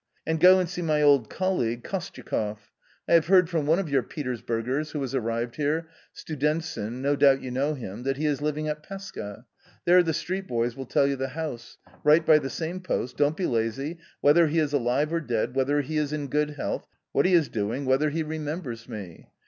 And go and see my old colleague KostyakofF. I have heard from one of your Petersburgers who has arrived here, Studentsin — no doubt you know him — that he is living at Peska ; there the street boys will tell you the house ; write by the same post, don't be lazy, whether he is alive or dead, whether he is in good health, what he is doing, whether he remembers me.